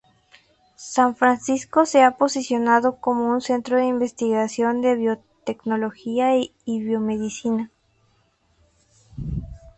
San Francisco se ha posicionado como un centro de investigación de biotecnología y biomedicina.